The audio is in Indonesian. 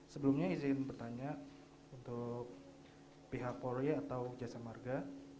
sebelumnya izin bertanya untuk pihak polri atau jasa marga